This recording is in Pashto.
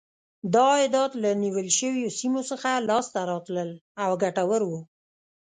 دا عایدات له نیول شویو سیمو څخه لاسته راتلل او ګټور و.